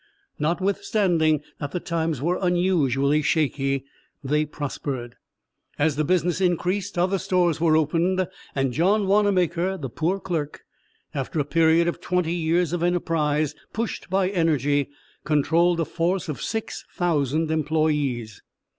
Notwithstanding that the times were unusually "shaky," they prospered. As the business increased other stores were opened, and John Wannamaker, the poor clerk after a period of twenty years of enterprise, pushed by energy, controlled a force of 6,000 employes.